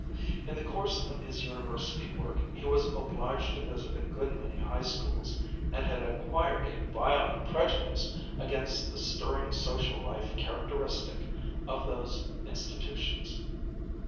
In the course of his University work he was obliged to visit a good many High Schools, and had acquired a violent prejudice against the stirring social life characteristic of those institutions.